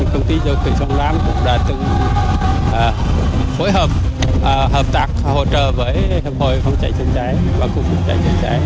công ty châu phi sông nam cũng đã từng phối hợp hợp tác hỗ trợ với hợp hội phòng cháy chữa cháy và cục phòng cháy chữa cháy